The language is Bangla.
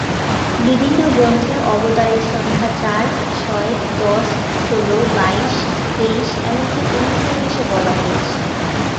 বিভিন্ন গ্রন্থে অবতারের সংখ্যা চার, ছয়, দশ, ষোলো, বাইশ, তেইশ এমকি ঊনচল্লিশও বলা হয়েছে।